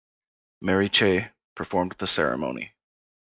Mary Cheh performed the ceremony.